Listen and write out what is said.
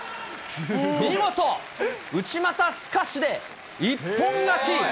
見事内股すかしで一本勝ち。